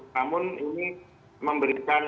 namun ini memberikan ini